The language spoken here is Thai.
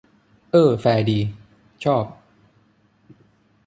เอ้อ แฟร์ดี ชอบ